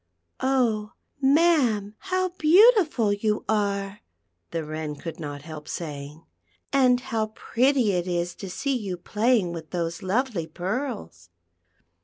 "Oh! ma'am, how beautiful \'ou are!" the W'icn could not help saying; "and how prett} it is to see you playing with those lovely pearls."